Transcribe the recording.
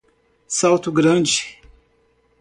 Salto Grande